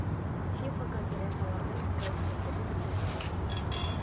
ФИФА конфедерациялардын коэффициенттерин теңдеп жатат